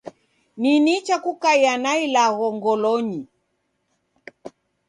Ni nicha kukaiya na ilagho ngolonyi